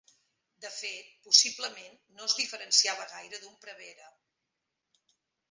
De fet, possiblement no es diferenciava gaire d'un prevere.